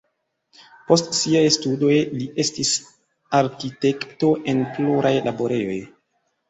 Post siaj studoj li estis arkitekto en pluraj laborejoj.